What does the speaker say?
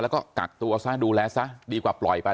แล้วก็กักตัวซะดูแลซะดีกว่าปล่อยไป